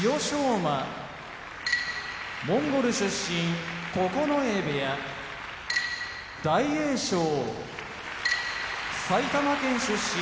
馬モンゴル出身九重部屋大栄翔埼玉県出身